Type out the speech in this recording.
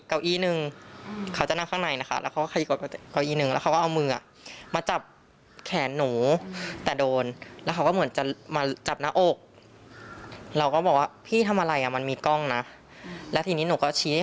และฉันพักชี้ให้เธอดูแบบว่ามีกล้องเล็กติดอยู่ข้างหน้า